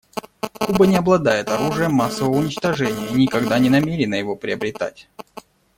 Куба не обладает оружием массового уничтожения и никогда не намерена его приобретать.